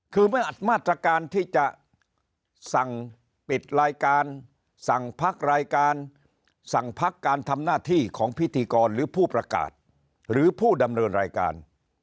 คือเมื่ออัดมาตรการที่จะสั่งปิดรายการสั่งพักรายการสั่งพักการทำหน้าที่ของพิธีกรหรือผู้ประกาศหรือผู้ดำเนินรายการ